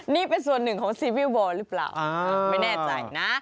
นี่เป็นส่วนหนึ่งของซีวิลวอลหรือเปล่าไม่แน่ใจนะ